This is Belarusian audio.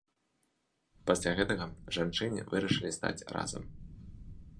Пасля гэтага жанчыны вырашылі стаць разам.